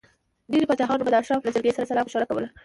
ډېری پاچاهانو به د اشرافو له جرګې سره سلا مشوره کوله.